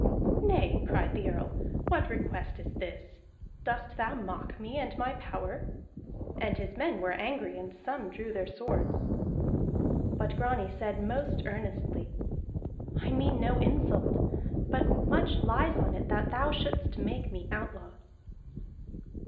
"Nay," cried the Earl, "what request is this? Dost thou mock me and my power?" And his men were angry, and some drew their swords. But Grani said most earnestly, "I mean no insult, but much lies on it that thou shouldst make me outlaw."